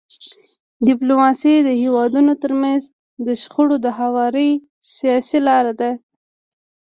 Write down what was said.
ډيپلوماسي د هیوادونو ترمنځ د شخړو د هواري سیاسي لار ده.